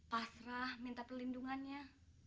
pasrah minta perlindungannya